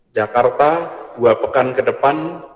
jakarta dua pekan ke depan